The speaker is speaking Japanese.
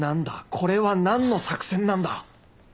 これは何の作戦なんだ？